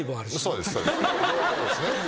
そうです。